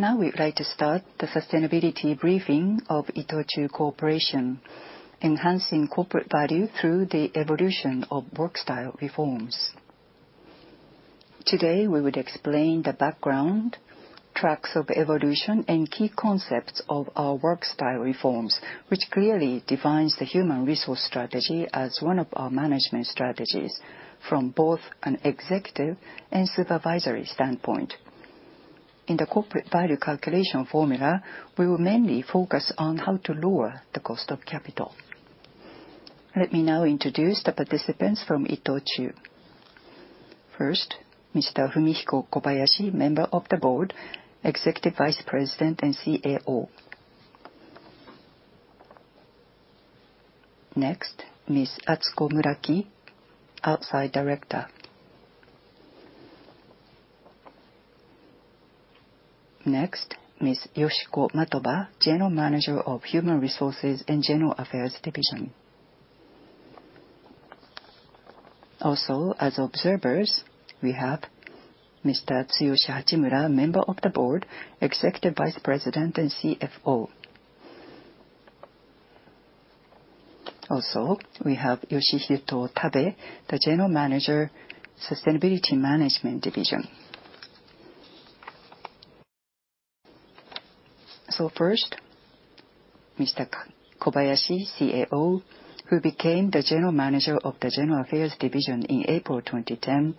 Now we'd like to start the sustainability briefing of ITOCHU Corporation, Enhancing Corporate Value through the Evolution of Workstyle Reforms. Today, we would explain the background, tracks of evolution, and key concepts of our workstyle reforms, which clearly defines the human resource strategy as one of our management strategies from both an executive and supervisory standpoint. In the corporate value calculation formula, we will mainly focus on how to lower the cost of capital. Let me now introduce the participants from ITOCHU. First, Mr. Fumihiko Kobayashi, member of the board, executive vice president and CAO. Next, Ms. Atsuko Muraki, outside director. Next, Ms. Yoshiko Matoba, general manager of human resources and general affairs division. Also, as observers, we have Mr. Tsuyoshi Hachimura, member of the board, executive vice president and CFO. Also, we have Yasuyuki Tabe, the general manager, sustainability management division. So first, Mr. Kobayashi, CAO, who became the general manager of the general affairs division in April 2010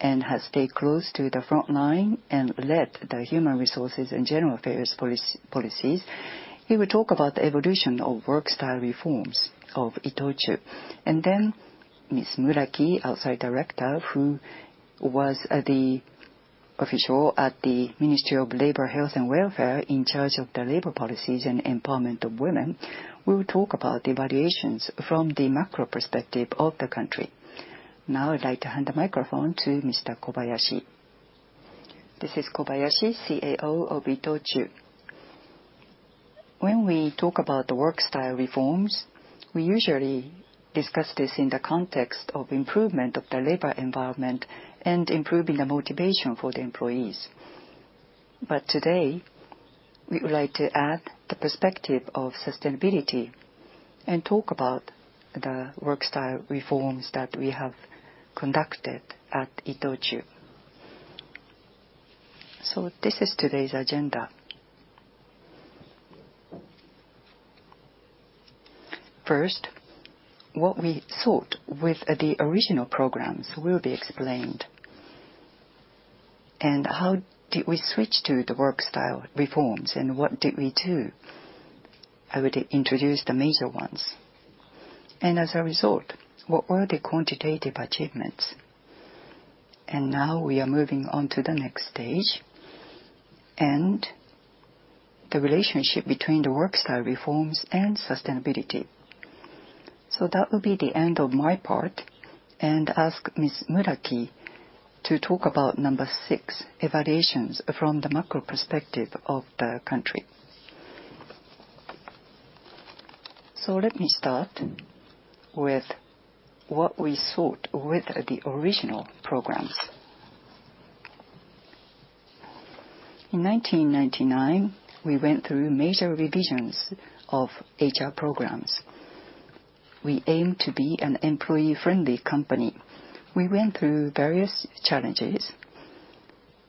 and has stayed close to the front line and led the human resources and general affairs policies. He will talk about the evolution of workstyle reforms of ITOCHU. Ms. Muraki, outside director, who was the official at the Ministry of Health, Labour and Welfare in charge of the labor policies and empowerment of women, will talk about evaluations from the macro perspective of the country. Now I'd like to hand the microphone to Mr. Kobayashi. This is Kobayashi, CAO of ITOCHU. When we talk about the workstyle reforms, we usually discuss this in the context of improvement of the labor environment and improving the motivation for the employees. Today, we would like to add the perspective of sustainability and talk about the workstyle reforms that we have conducted at ITOCHU. This is today's agenda. First, what we thought with the original programs will be explained, and how did we switch to the workstyle reforms and what did we do. I would introduce the major ones. As a result, what were the quantitative achievements? Now we are moving on to the next stage and the relationship between the workstyle reforms and sustainability. That will be the end of my part and I will ask Ms. Muraki to talk about number six, evaluations from the macro perspective of the country. Let me start with what we thought with the original programs. In 1999, we went through major revisions of HR programs. We aimed to be an employee-friendly company. We went through various challenges,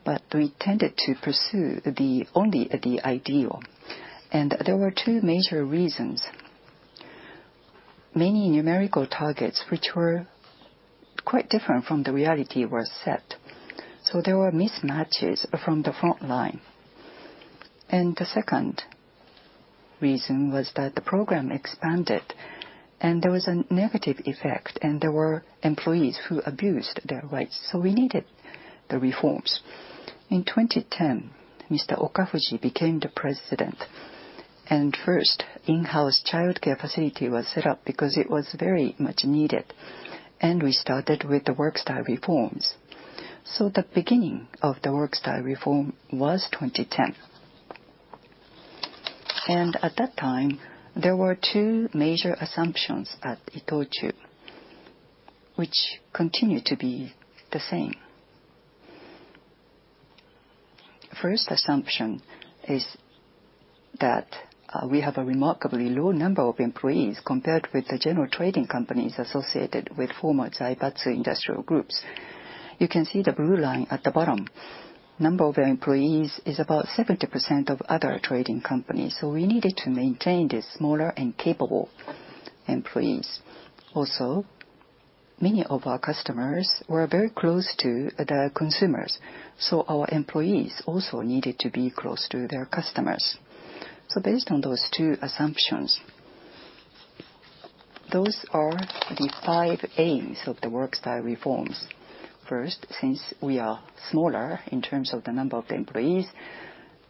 but we tended to pursue only the ideal. There were two major reasons. Many numerical targets, which were quite different from the reality, were set. There were mismatches from the front line. The second reason was that the program expanded and there was a negative effect, and there were employees who abused their rights. We needed the reforms. In 2010, Mr. Okafuji became the president, and first, in-house childcare facility was set up because it was very much needed, and we started with the workstyle reforms. The beginning of the workstyle reform was 2010. At that time, there were two major assumptions at ITOCHU, which continue to be the same. First assumption is that we have a remarkably low number of employees compared with the general trading companies associated with former Zaibatsu industrial groups. You can see the blue line at the bottom. Number of employees is about 70% of other trading companies. We needed to maintain these smaller and capable employees. Also, many of our customers were very close to the consumers. Our employees also needed to be close to their customers. Based on those two assumptions, those are the five aims of the workstyle reforms. First, since we are smaller in terms of the number of employees,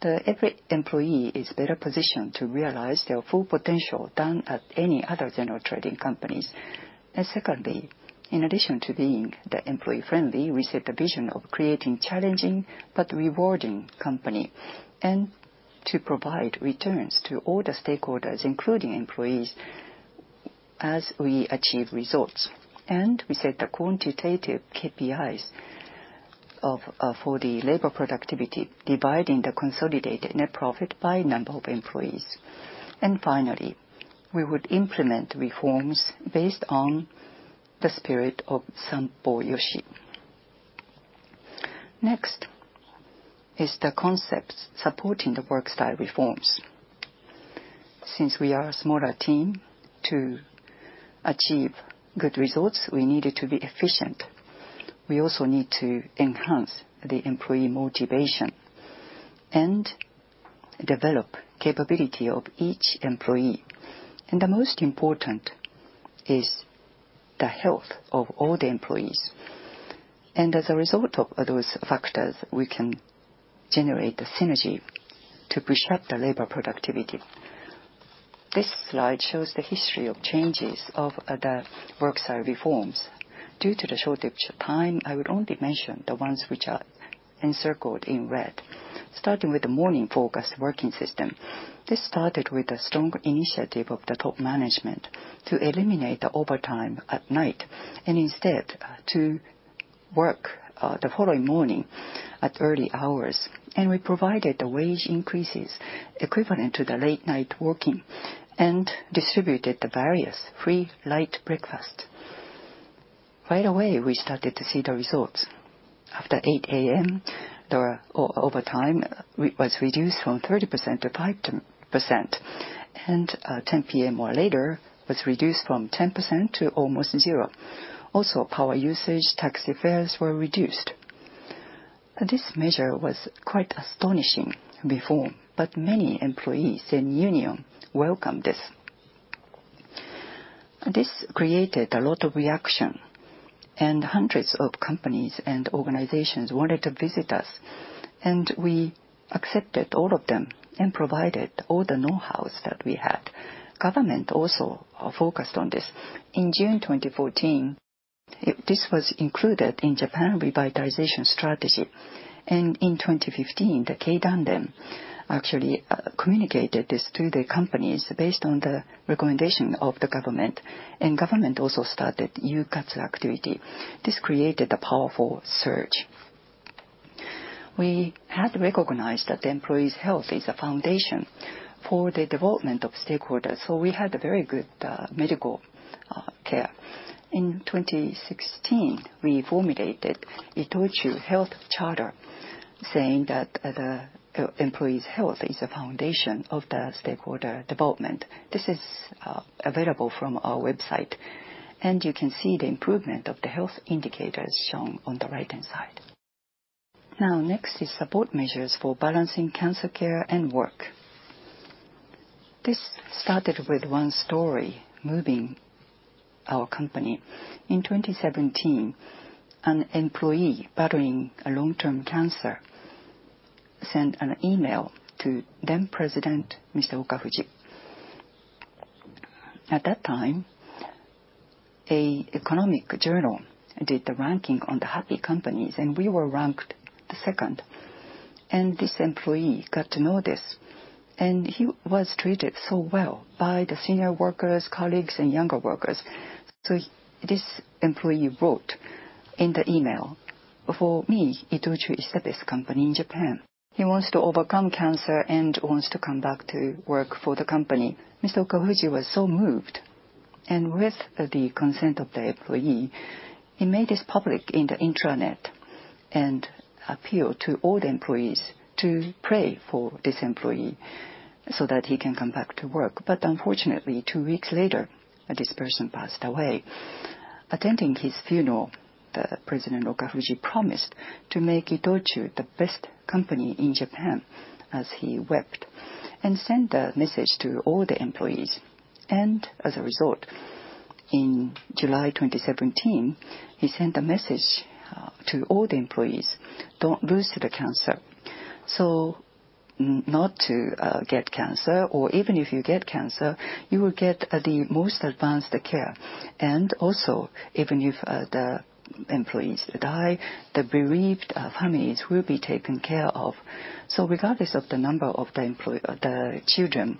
every employee is better positioned to realize their full potential than at any other general trading companies. Secondly, in addition to being employee-friendly, we set the vision of creating a challenging but rewarding company and to provide returns to all the stakeholders, including employees, as we achieve results. We set the quantitative KPIs for the labor productivity, dividing the consolidated net profit by number of employees. Finally, we would implement reforms based on the spirit of Sampo Yoshi. Next is the concepts supporting the workstyle reforms. Since we are a smaller team, to achieve good results, we needed to be efficient. We also need to enhance the employee motivation and develop the capability of each employee. The most important is the health of all the employees. As a result of those factors, we can generate the synergy to push up the labor productivity. This slide shows the history of changes of the workstyle reforms. Due to the short time of time, I would only mention the ones which are encircled in red, starting with the Morning-Focused Working System. This started with a strong initiative of the top management to eliminate the overtime at night and instead to work the following morning at early hours. We provided the wage increases equivalent to the late-night working and distributed the various free light breakfasts. Right away, we started to see the results. After 8:00 A.M., the overtime was reduced from 30% to 5%, and 10:00 P.M. or later was reduced from 10% to almost zero. Also, power usage, tax affairs were reduced. This measure was quite astonishing before, but many employees and union welcomed this. This created a lot of reaction, and hundreds of companies and organizations wanted to visit us, and we accepted all of them and provided all the know-hows that we had. Government also focused on this. In June 2014, this was included in Japan Revitalization Strategy. In 2015, the Keidanren actually communicated this to the companies based on the recommendation of the government. Government also started Yukatsu activity. This created a powerful surge. We had recognized that the employee's health is a foundation for the development of stakeholders. We had very good medical care. In 2016, we formulated ITOCHU Health Charter, saying that the employee's health is a foundation of the stakeholder development. This is available from our website, and you can see the improvement of the health indicators shown on the right-hand side. Next is support measures for balancing cancer care and work. This started with one story moving our company. In 2017, an employee battling long-term cancer sent an email to then President, Mr. Okafuji. At that time, an economic journal did the ranking on the happy companies, and we were ranked the second. This employee got to know this, and he was treated so well by the senior workers, colleagues, and younger workers. This employee wrote in the email, "For me, ITOCHU is the best company in Japan. He wants to overcome cancer and wants to come back to work for the company." Mr. Okafuji was so moved, and with the consent of the employee, he made this public in the intranet and appealed to all the employees to pray for this employee so that he can come back to work. Unfortunately, two weeks later, this person passed away. Attending his funeral, President Okafuji promised to make ITOCHU the best company in Japan, as he wept, and sent a message to all the employees. As a result, in July 2017, he sent a message to all the employees, "Don't lose to the cancer." Not to get cancer, or even if you get cancer, you will get the most advanced care. Also, even if the employees die, the bereaved families will be taken care of. Regardless of the number of the children,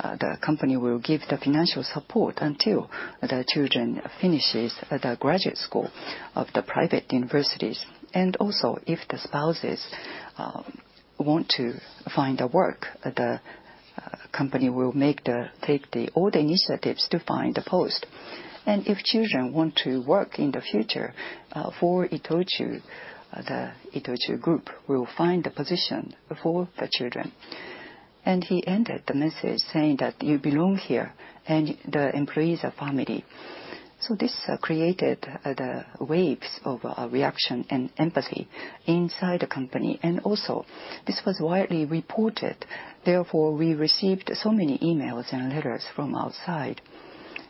the company will give the financial support until the children finish the graduate school of the private universities. Also, if the spouses want to find a work, the company will take all the initiatives to find a post. If children want to work in the future for ITOCHU, the ITOCHU group will find a position for the children. He ended the message saying that, "You belong here, and the employees are family." This created the waves of reaction and empathy inside the company. This was widely reported. Therefore, we received so many emails and letters from outside.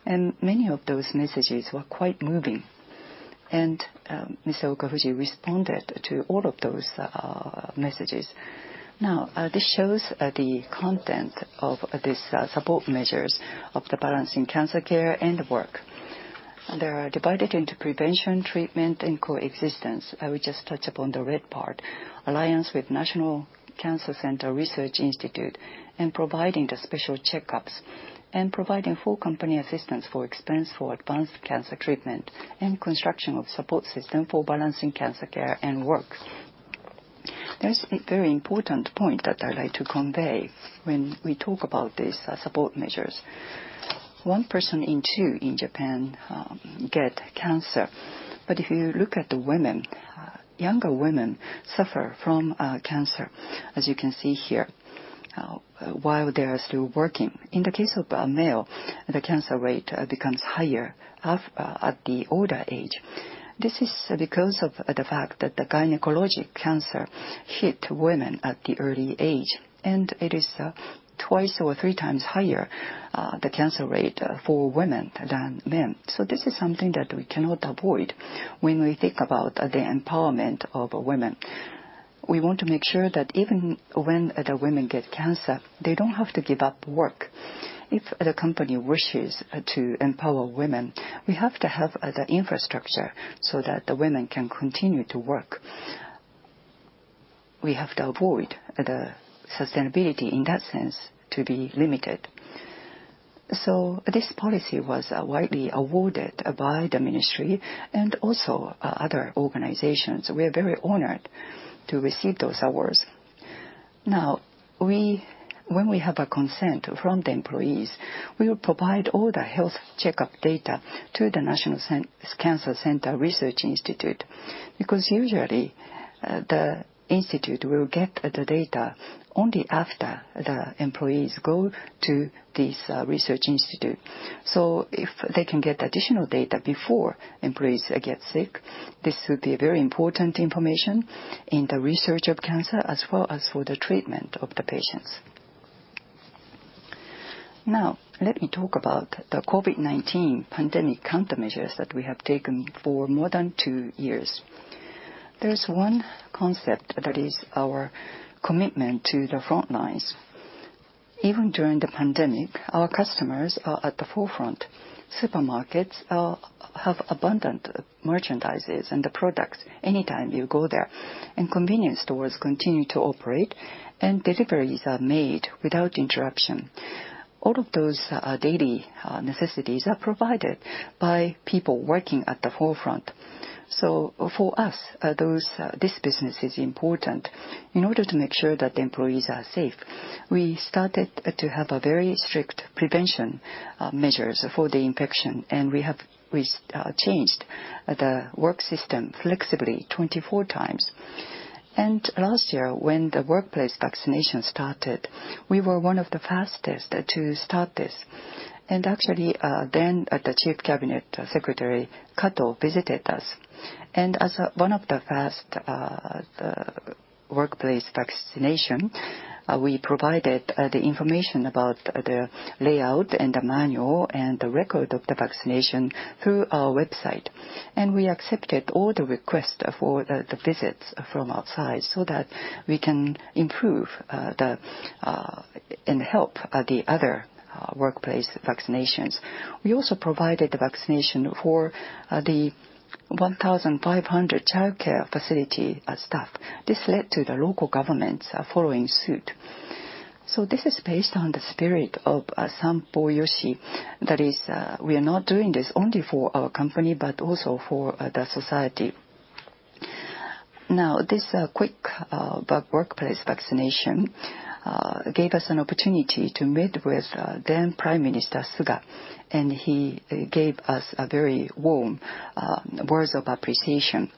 Many of those messages were quite moving. Mr. Okafuji responded to all of those messages. This shows the content of these support measures of the balancing cancer care and work. They are divided into prevention, treatment, and coexistence. I will just touch upon the red part: alliance with National Cancer Center Research Institute and providing the special checkups and providing full company assistance for expense for advanced cancer treatment and construction of support system for balancing cancer care and work. There's a very important point that I'd like to convey when we talk about these support measures. One person in two in Japan gets cancer. If you look at the women, younger women suffer from cancer, as you can see here, while they are still working. In the case of a male, the cancer rate becomes higher at the older age. This is because of the fact that the gynecologic cancer hit women at the early age, and it is twice or three times higher, the cancer rate, for women than men. This is something that we cannot avoid when we think about the empowerment of women. We want to make sure that even when the women get cancer, they do not have to give up work. If the company wishes to empower women, we have to have the infrastructure so that the women can continue to work. We have to avoid the sustainability in that sense to be limited. This policy was widely awarded by the ministry and also other organizations. We are very honored to receive those awards. Now, when we have consent from the employees, we will provide all the health checkup data to the National Cancer Center Research Institute because usually, the institute will get the data only after the employees go to this research institute. If they can get additional data before employees get sick, this would be very important information in the research of cancer as well as for the treatment of the patients. Now, let me talk about the COVID-19 pandemic countermeasures that we have taken for more than two years. There is one concept that is our commitment to the front lines. Even during the pandemic, our customers are at the forefront. Supermarkets have abundant merchandise and products anytime you go there. Convenience stores continue to operate, and deliveries are made without interruption. All of those daily necessities are provided by people working at the forefront. For us, this business is important. In order to make sure that the employees are safe, we started to have very strict prevention measures for the infection, and we changed the work system flexibly 24 times. Last year, when the workplace vaccination started, we were one of the fastest to start this. Actually, then the Chief Cabinet Secretary, Taro Kono, visited us. As one of the first workplace vaccinations, we provided the information about the layout and the manual and the record of the vaccination through our website. We accepted all the requests for the visits from outside so that we can improve and help the other workplace vaccinations. We also provided the vaccination for the 1,500 childcare facility staff. This led to the local governments following suit. This is based on the spirit of Sampo Yoshi, that is, "We are not doing this only for our company, but also for the society." This quick workplace vaccination gave us an opportunity to meet with then Prime Minister Yoshihide Suga, and he gave us very warm words of appreciation.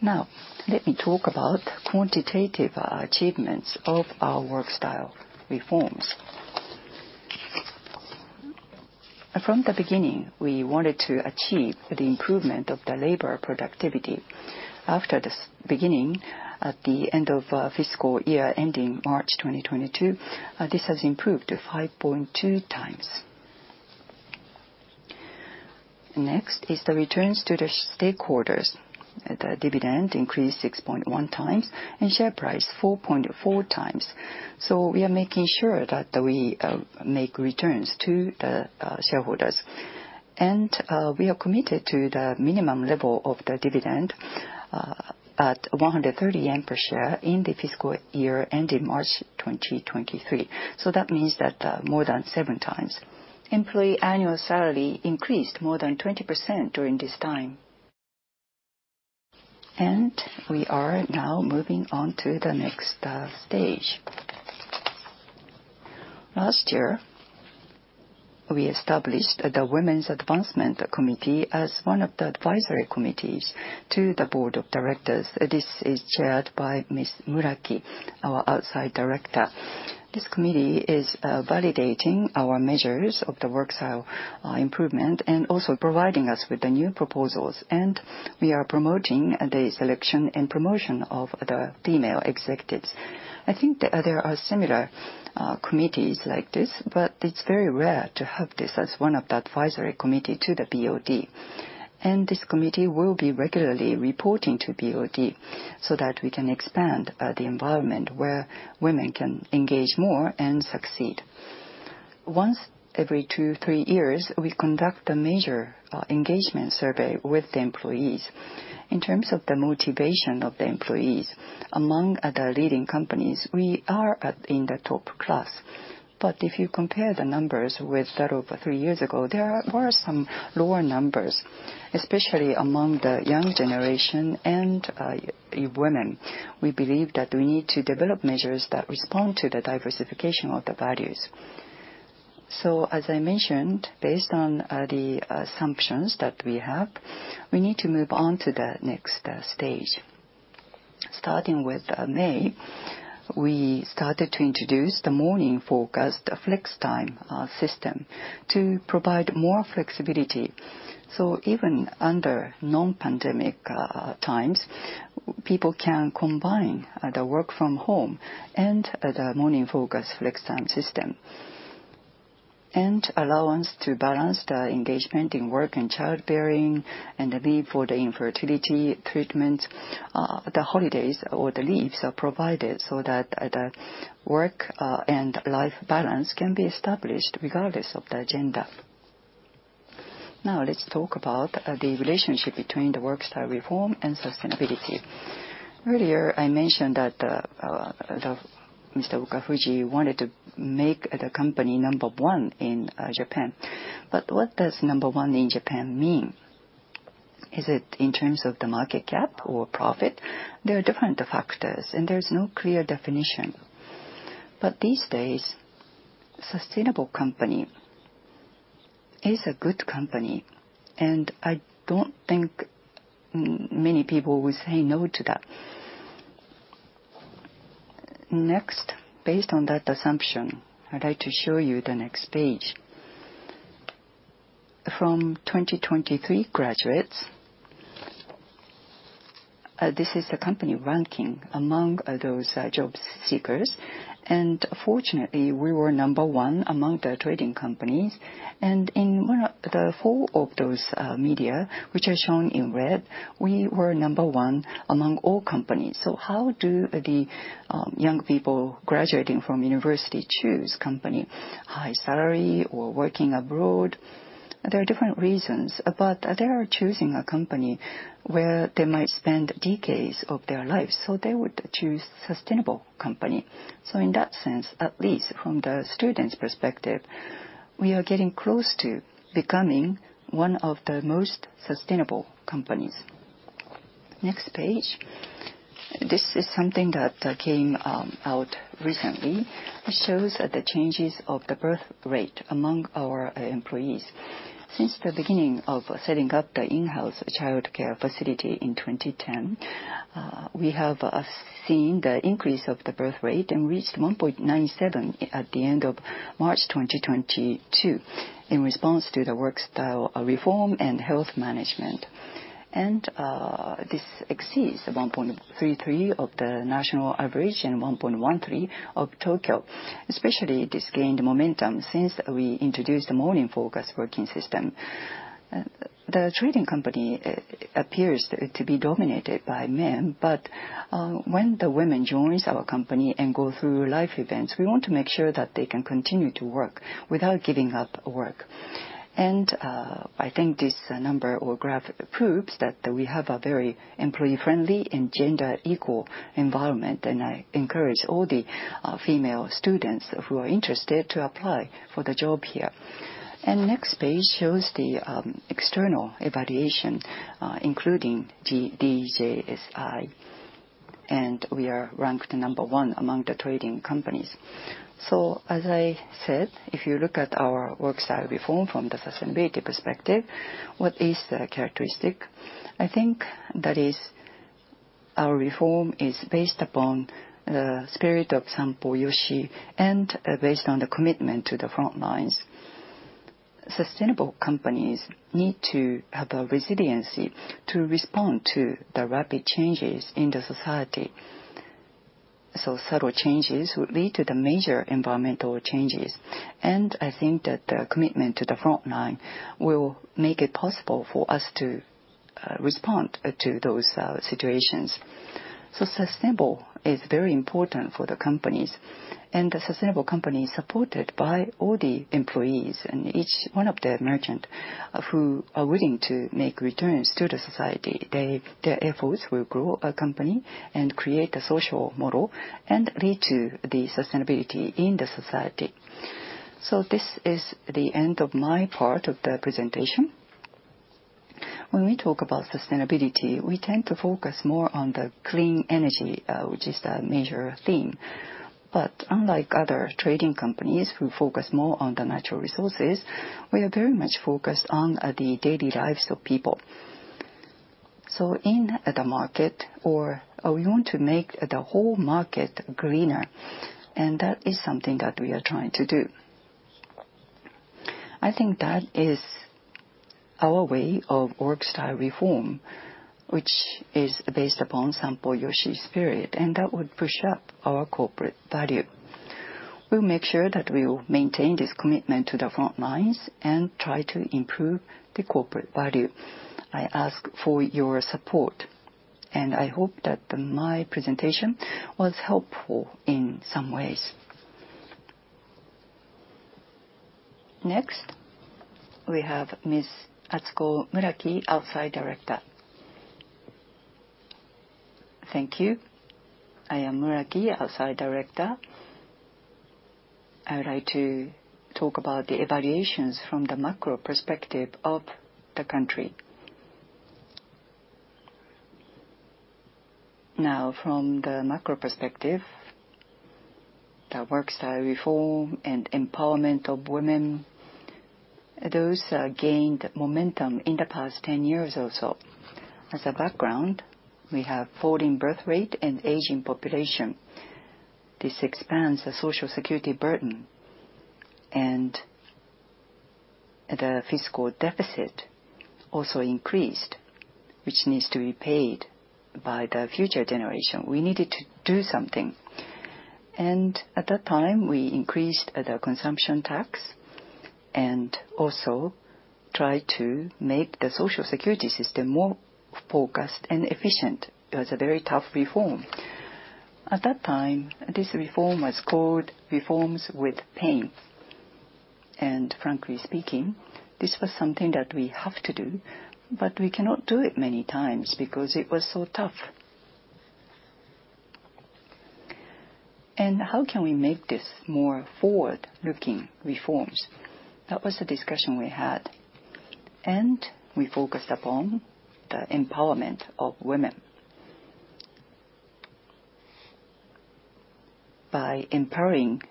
Now, let me talk about quantitative achievements of our workstyle reforms. From the beginning, we wanted to achieve the improvement of the labor productivity. After the beginning, at the end of fiscal year ending March 2022, this has improved 5.2 times. Next is the returns to the stakeholders. The dividend increased 6.1 times and share price 4.4 times. We are making sure that we make returns to the shareholders. We are committed to the minimum level of the dividend at 130 yen per share in the fiscal year ending March 2023. That means that more than seven times. Employee annual salary increased more than 20% during this time. We are now moving on to the next stage. Last year, we established the Women's Advancement Committee as one of the advisory committees to the Board of Directors. This is chaired by Ms. Muraki, our outside director. This committee is validating our measures of the workstyle improvement and also providing us with the new proposals. We are promoting the selection and promotion of the female executives. I think there are similar committees like this, but it's very rare to have this as one of the advisory committees to the BOD. This committee will be regularly reporting to BOD so that we can expand the environment where women can engage more and succeed. Once every two, three years, we conduct a major engagement survey with the employees. In terms of the motivation of the employees, among the leading companies, we are in the top class. If you compare the numbers with that of three years ago, there were some lower numbers, especially among the young generation and women. We believe that we need to develop measures that respond to the diversification of the values. As I mentioned, based on the assumptions that we have, we need to move on to the next stage. Starting with May, we started to introduce the Morning-Focused Flex Time System to provide more flexibility. Even under non-pandemic times, people can combine the work-from-home and the Morning-Focused Flex Time System and allow us to balance the engagement in work and childbearing and the need for the infertility treatment. The holidays or the leaves are provided so that the work and life balance can be established regardless of the agenda. Now, let's talk about the relationship between the workstyle reform and sustainability. Earlier, I mentioned that Mr. Okafuji wanted to make the company number one in Japan. What does number one in Japan mean? Is it in terms of the market cap or profit? There are different factors, and there's no clear definition. These days, a sustainable company is a good company, and I don't think many people will say no to that. Next, based on that assumption, I'd like to show you the next page. From 2023 graduates, this is the company ranking among those job seekers. Fortunately, we were number one among the trading companies. In one of the four of those media, which are shown in red, we were number one among all companies. How do the young people graduating from university choose a company? High salary or working abroad? There are different reasons, but they are choosing a company where they might spend decades of their lives. They would choose a sustainable company. In that sense, at least from the students' perspective, we are getting close to becoming one of the most sustainable companies. Next page. This is something that came out recently. It shows the changes of the birth rate among our employees. Since the beginning of setting up the in-house childcare facility in 2010, we have seen the increase of the birth rate and reached 1.97 at the end of March 2022 in response to the workstyle reform and health management. This exceeds 1.33 of the national average and 1.13 of Tokyo. Especially, this gained momentum since we introduced the morning-focused working system. The trading company appears to be dominated by men, but when the women join our company and go through life events, we want to make sure that they can continue to work without giving up work. I think this number or graph proves that we have a very employee-friendly and gender-equal environment, and I encourage all the female students who are interested to apply for the job here. The next page shows the external evaluation, including DJSI. We are ranked number one among the trading companies. As I said, if you look at our workstyle reform from the sustainability perspective, what is the characteristic? I think that our reform is based upon the spirit of Sampo Yoshi and based on the commitment to the front lines. Sustainable companies need to have a resiliency to respond to the rapid changes in the society. Subtle changes will lead to the major environmental changes. I think that the commitment to the front line will make it possible for us to respond to those situations. Sustainable is very important for the companies. The sustainable company is supported by all the employees and each one of the merchants who are willing to make returns to the society. Their efforts will grow a company and create a social model and lead to the sustainability in the society. This is the end of my part of the presentation. When we talk about sustainability, we tend to focus more on the clean energy, which is the major theme. Unlike other trading companies who focus more on the natural resources, we are very much focused on the daily lives of people. In the market, we want to make the whole market greener. That is something that we are trying to do. I think that is our way of workstyle reform, which is based upon Sampo Yoshi's spirit, and that would push up our corporate value. We'll make sure that we will maintain this commitment to the front lines and try to improve the corporate value. I ask for your support, and I hope that my presentation was helpful in some ways. Next, we have Ms. Atsuko Muraki, Outside Director. Thank you. I am Muraki, Outside Director. I would like to talk about the evaluations from the macro perspective of the country. Now, from the macro perspective, the workstyle reform and empowerment of women, those gained momentum in the past 10 years or so. As a background, we have falling birth rate and aging population. This expands the social security burden, and the fiscal deficit also increased, which needs to be paid by the future generation. We needed to do something. At that time, we increased the consumption tax and also tried to make the social security system more focused and efficient. It was a very tough reform. At that time, this reform was called reforms with pain. Frankly speaking, this was something that we have to do, but we cannot do it many times because it was so tough. How can we make this more forward-looking reforms? That was the discussion we had. We focused upon the empowerment of women. By empowering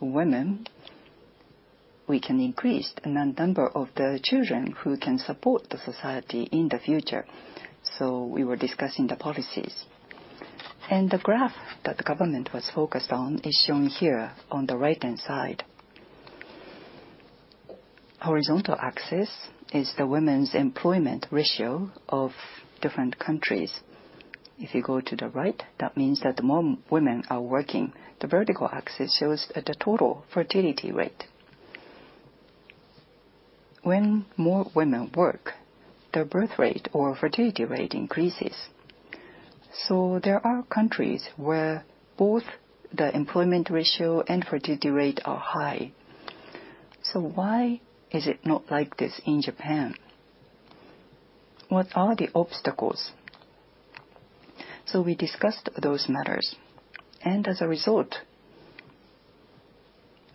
women, we can increase the number of the children who can support the society in the future. We were discussing the policies. The graph that the government was focused on is shown here on the right-hand side. The horizontal axis is the women's employment ratio of different countries. If you go to the right, that means that more women are working. The vertical axis shows the total fertility rate. When more women work, the birth rate or fertility rate increases. There are countries where both the employment ratio and fertility rate are high. Why is it not like this in Japan? What are the obstacles? We discussed those matters. As a result,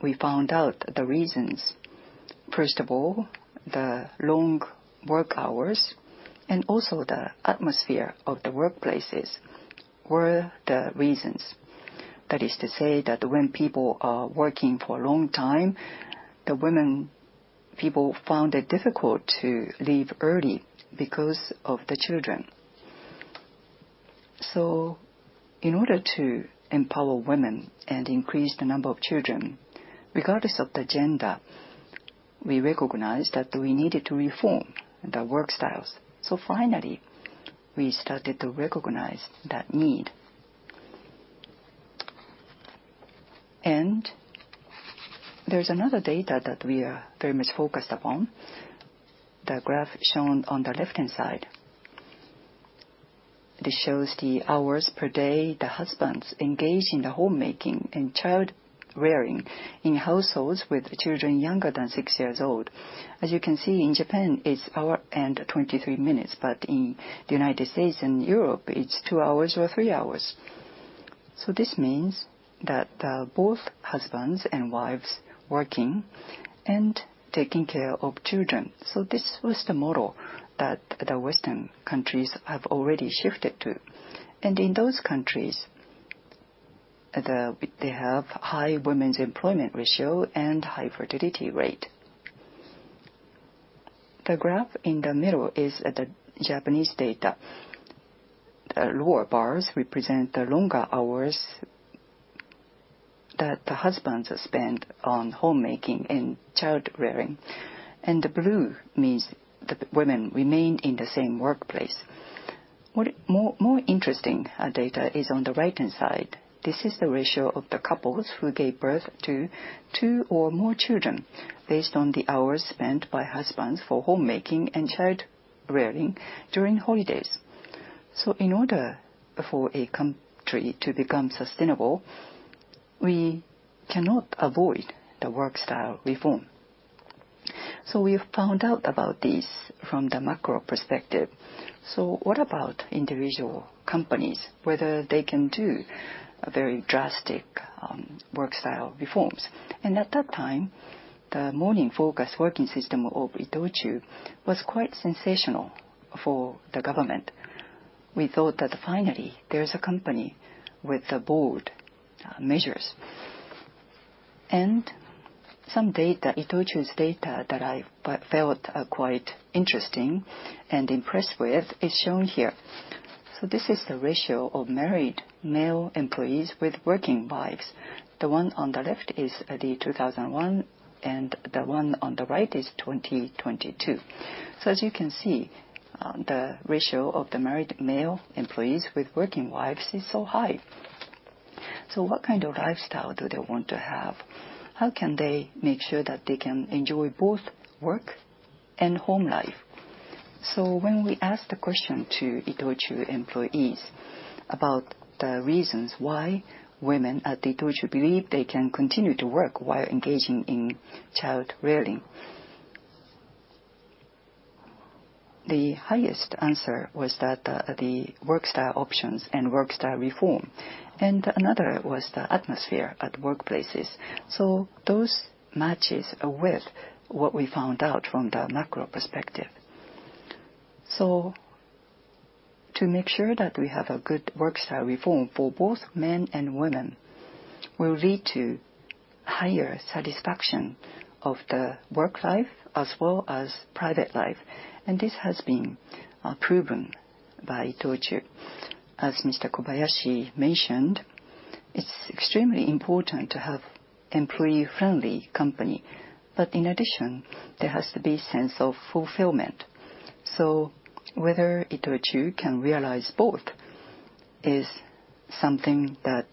we found out the reasons. First of all, the long work hours and also the atmosphere of the workplaces were the reasons. That is to say that when are working for a long time, the women found it difficult to leave early because of the children. In order to empower women and increase the number of children, regardless of the gender, we recognized that we needed to reform the workstyles. Finally, we started to recognize that need. There is another data that we are very much focused upon. The graph shown on the left-hand side, this shows the hours per day the husbands engage in the homemaking and child-rearing in households with children younger than six years old. As you can see, in Japan, it's 1 hour and 23 minutes, but in the United States and Europe, it's 2 hours or 3 hours. This means that both husbands and wives working and taking care of children. This was the model that the Western countries have already shifted to. In those countries, they have high women's employment ratio and high fertility rate. The graph in the middle is the Japanese data. The lower bars represent the longer hours that the husbands spend on homemaking and child-rearing. The blue means the women remain in the same workplace. More interesting data is on the right-hand side. This is the ratio of the couples who gave birth to two or more children based on the hours spent by husbands for homemaking and child-rearing during holidays. In order for a country to become sustainable, we cannot avoid the workstyle reform. We have found out about this from the macro perspective. What about individual companies, whether they can do very drastic workstyle reforms? At that time, the morning-focused working system of ITOCHU was quite sensational for the government. We thought that finally there is a company with bold measures. Some data, ITOCHU's data that I felt quite interesting and impressed with, is shown here. This is the ratio of married male employees with working wives. The one on the left is 2001, and the one on the right is 2022. As you can see, the ratio of the married male employees with working wives is so high. What kind of lifestyle do they want to have? How can they make sure that they can enjoy both work and home life? When we asked the question to ITOCHU employees about the reasons why women at ITOCHU believe they can continue to work while engaging in child-rearing, the highest answer was that the workstyle options and workstyle reform. Another was the atmosphere at workplaces. Those match with what we found out from the macro perspective. To make sure that we have a good workstyle reform for both men and women will lead to higher satisfaction of the work life as well as private life. This has been proven by ITOCHU. As Mr. Kobayashi mentioned, it's extremely important to have an employee-friendly company. In addition, there has to be a sense of fulfillment. Whether ITOCHU can realize both is something that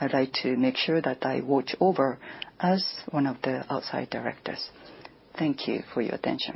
I'd like to make sure that I watch over as one of the outside directors. Thank you for your attention.